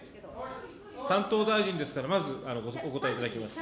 担当大臣ですから、まずお答えいただきます。